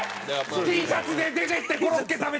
Ｔシャツで出ていってコロッケ食べて寒いって。